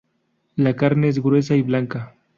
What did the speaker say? La carne es gruesa y blanca.